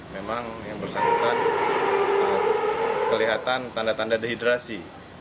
memang yang bersangkutan kelihatan tanda tanda dehidrasi